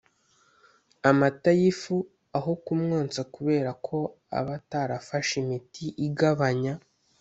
Amata y ifu aho kumwonsa kubera ko aba atarafashe imiti igabanya